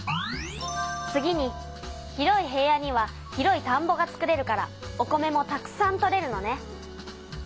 次に広い平野には広いたんぼが作れるからお米もたくさん取れるのね。